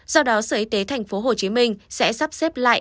do đó sở y tế tp hcm sẽ sắp xếp lại